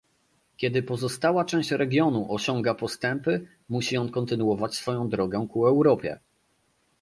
Kiedy pozostała część regionu osiąga postępy, musi on kontynuować swoją drogę ku Europie